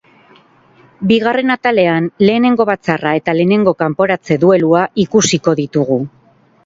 Bigarren atalean, lehenengo batzarra eta lehenengo kanporatze duelua ikusiko ditugu.